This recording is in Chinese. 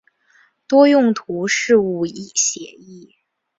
多用途事务协议。